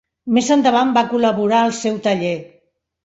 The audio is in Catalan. Més endavant va col·laborar al seu taller.